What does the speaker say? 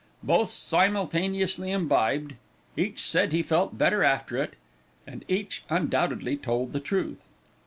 Both simultaneously imbibed. Each said he felt better after it, and each undoubtedly told the truth.